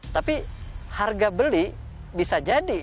tapi harga beli bisa jadi